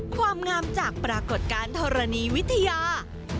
ความงามจากปรากฏการณ์ธรณีวิทยา